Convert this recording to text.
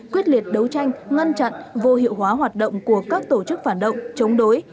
quyết liệt đấu tranh ngăn chặn vô hiệu hóa hoạt động của các tổ chức phản động chống đối